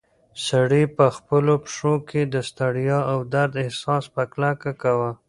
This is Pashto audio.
سړی په خپلو پښو کې د ستړیا او درد احساس په کلکه کاوه.